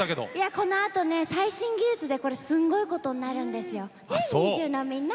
このあと最新技術ですごいことになるんですよね？